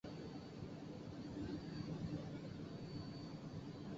কয়লা উত্তোলন লাভজনক নয়